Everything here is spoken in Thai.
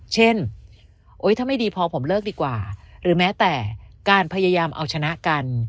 เช่นถ้าไม่ดีพอผมเลิกดีกว่าหรือแม้แต่การพยายามเอาชนะกัน